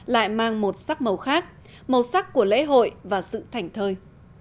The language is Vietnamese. lại mang một sắc màu khác màu sắc của lễ hội và sự thảnh thơi